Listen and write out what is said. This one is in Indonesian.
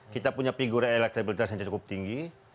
kita punya figur yang elektabilitas yang cukup tinggi